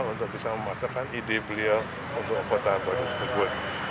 untuk bisa memasarkan ide beliau untuk kota baru